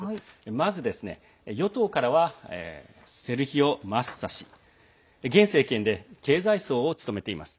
まず、与党からはセルヒオ・マッサ氏。現政権で経済相を務めています。